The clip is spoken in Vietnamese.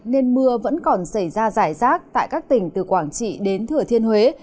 nên mưa vẫn còn xảy ra giải rác tại các tỉnh từ quảng trị đến thừa thiên huế